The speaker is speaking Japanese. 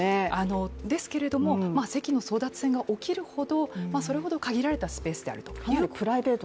ですけれども、席の争奪戦が起きるほどそれほど限られたスペースであるという。